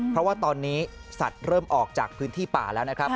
เพราะว่าตอนนี้สัตว์เริ่มออกจากพื้นที่ป่าแล้วนะครับ